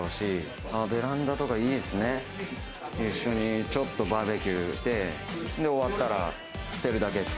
一緒にちょっとバーベキューして、終わったら捨てるだけ。